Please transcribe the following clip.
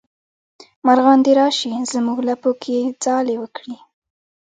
مارغان دې راشي زمونږ لپو کې ځالې وکړي